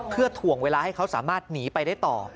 เพื่อถ่วงเวลาให้เขาสามารถหนีไปได้ต่อ